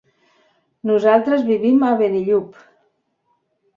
Nosaltres vivim a Benillup.